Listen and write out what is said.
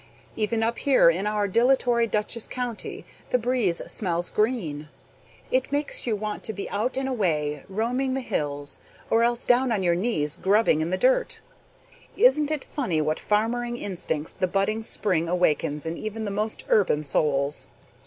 Even up here in our dilatory Dutchess County the breeze smells green. It makes you want to be out and away, roaming the hills, or else down on your knees grubbing in the dirt. Isn't it funny what farmering instincts the budding spring awakens in even the most urban souls?